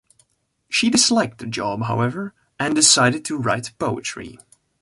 She disliked the job, however, and decided to write poetry.